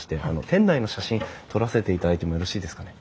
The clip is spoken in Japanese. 店内の写真撮らせていただいてもよろしいですかね？